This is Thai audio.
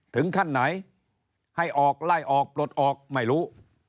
ถึงขั้นไหนให้ออกไล่ออกปลดออกไม่รู้